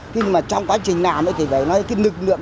nhưng mà trong quá trình làm ấy thì phải nói cái lực lượng